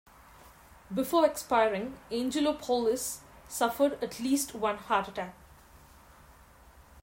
Before expiring, Angelopoulos suffered at least one heart attack.